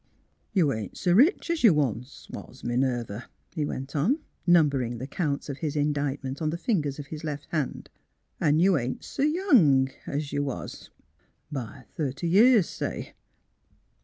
" You ain't so rich as you was once, Minerva," he went on, numbering the counts of his indict ment on the fingers of his left hand. '' An' you ain't so young as you was — by thirty years, say."